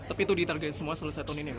tapi itu ditargetkan semua selesai tahun ini